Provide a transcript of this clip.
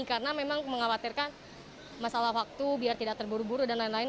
karena memang mengkhawatirkan masalah waktu biar tidak terburu buru dan lain lain